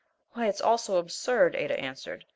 "Why, it's all so absurd," Ada answered.